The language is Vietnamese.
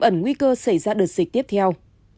nguy cơ xảy ra đợt dịch tiếp theo